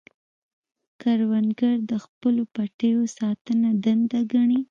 کروندګر د خپلو پټیو ساتنه دنده ګڼي